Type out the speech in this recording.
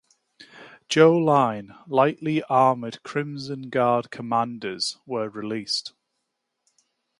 Joe line, lightly armored Crimson Guard Commanders were released.